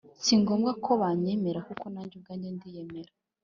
Singombwa ko banyemera kuko nanjye ubwanjye ndiyemera